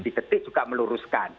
ditetik juga meluruskan